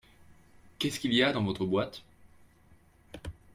Qu'est-ce qu'il y a dans votre boîte ?